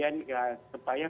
jangan dijadikan berubah ubah